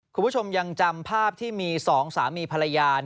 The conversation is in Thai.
คุณผู้ชมยังจำภาพที่มี๒สามีภรรยา